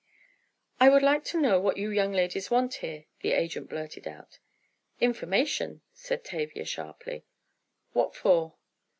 "I would like to know what you young ladies want here?" the agent blurted out. "Information," said Tavia, sharply. "What for?"